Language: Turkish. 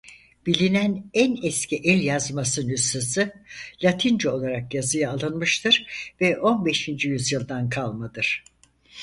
Bilinen en eski el yazması nüshası Latince olarak yazıya alınmıştır ve on beşinci yüzyıldan kalmadır.